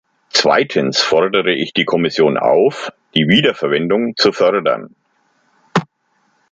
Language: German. Zweitens fordere ich die Kommission auf, die Wiederverwendung zu fördern.